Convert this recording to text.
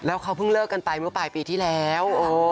แล้วเขาเพิ่งเลิกกันไปเมื่อปลายปีที่แล้ว